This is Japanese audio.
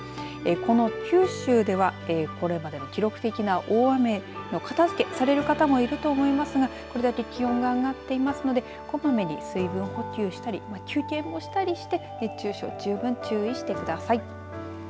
この九州ではこれまでの記録的な大雨の片づけされる方もいると思いますがこれだけ気温が上がっていますのでこまめに水分補給したり休憩もしたりして熱中症、十分注意してください。